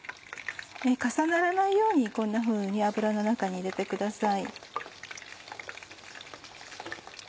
重ならないようにこんなふうに油の中に入れてください。